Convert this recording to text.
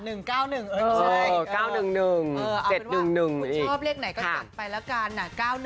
๙๑๑๗๑๑เอาเป็นว่าคุณชอบเลขไหนก็จัดไปละกันนะ